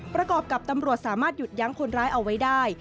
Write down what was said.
ประกอบกับตำรวจสามารถหยุดยั้งคนร้ายเอาไว้ได้